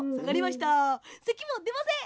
せきもでません！